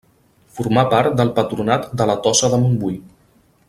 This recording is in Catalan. Formà part del Patronat de la Tossa de Montbui.